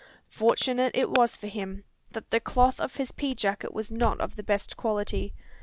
Fortunate it was for him, that the cloth of his pea jacket was not of the best quality.